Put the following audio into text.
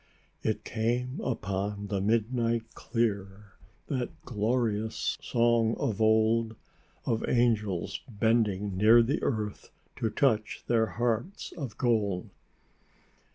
"It came upon the midnight clear, That glorious song of old, Of angels bending near the earth, To touch their harps of gold."